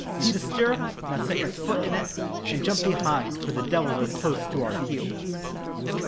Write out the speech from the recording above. see the stirrup now set your foot in it And jump up behind, for the devils are close to our heels."